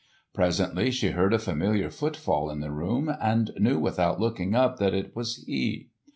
Presently she heard a familiar footfall in the room, and knew without looking up that it was he.